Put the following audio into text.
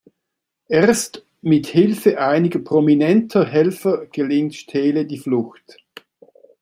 Erst mit Hilfe einiger prominenter Helfer gelingt Steele die Flucht.